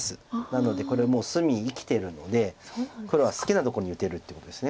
なのでもう隅生きてるので黒は好きなとこに打てるっていうことです